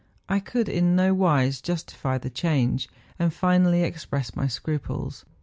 I could in no wise justify the change, and finally expressed my scruples.